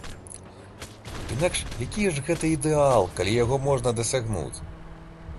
Інакш які ж гэта ідэал, калі яго можна дасягнуць!